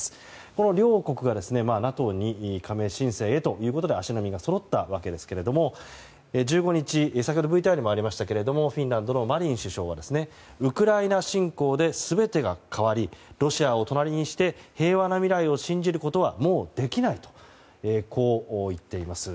この両国がＮＡＴＯに加盟申請ということで足並みがそろったわけですが１５日先ほどＶＴＲにもありましたがフィンランドのマリン首相はウクライナ侵攻で全てが変わり、ロシアを隣にして平和な未来を信じることはもうできないとこう言っています。